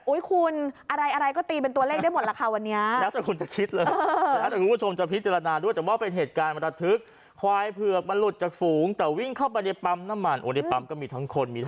อุ๊ยคุณอะไรก็ตีมันตัวเลขด้วยหมดละค่ะวันนี้